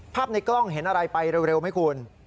ในกล้องเห็นอะไรไปเร็วไหมคุณ